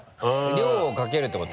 量をかけるってこと？